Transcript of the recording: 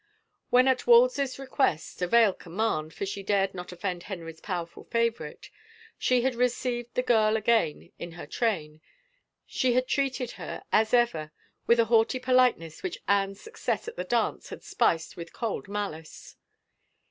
When at Wolsey's request — a veiled command, for she dared not offend Henry's powerful favorite — she had received the girl again in her train, she had treated her as ever with a haughty politeness which Anne's suc cess at the dance had spiced with cold malice.